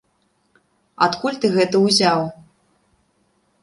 Адкуль ты гэта ўзяў?